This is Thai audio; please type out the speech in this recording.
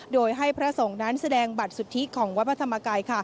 โดยให้พระสงฆ์นั้นแสดงบัตรสุทธิของวัดพระธรรมกาย